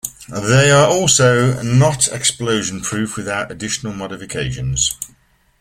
They are also not explosion proof without additional modifications.